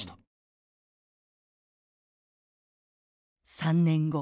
３年後。